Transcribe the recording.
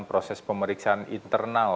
proses pemeriksaan internal